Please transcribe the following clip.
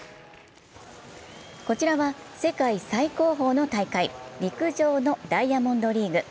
こちらは世界最高峰の大会、陸上のダイヤモンドリーグ。